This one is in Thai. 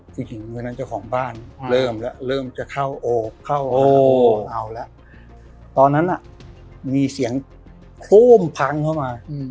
จนถึงวันนั้นเจ้าของบ้านเริ่มแล้วเริ่มจะเข้าโอบเข้าเอาแล้วตอนนั้นมีเสียงโครมพังเข้ามา